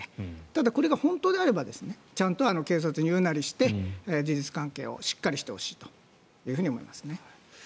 ただこれが本当であればちゃんと警察に言うなりして事実関係をしっかりしてほしいと思いますね。